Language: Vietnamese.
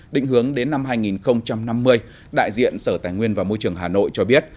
định hướng đến năm hai nghìn năm mươi đại diện sở tài nguyên và môi trường hà nội cho biết